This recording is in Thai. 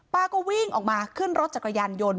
ป้าก็วิ่งออกมาขึ้นรถจักรยานยนต์